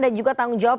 dan juga tanggung jawab